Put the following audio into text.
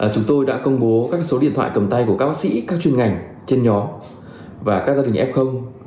chúng tôi đã công bố các số điện thoại cầm tay của các bác sĩ các chuyên ngành trên nhóm và các gia đình f